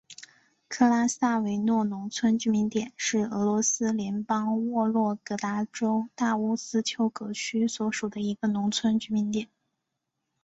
克拉萨维诺农村居民点是俄罗斯联邦沃洛格达州大乌斯秋格区所属的一个农村居民点。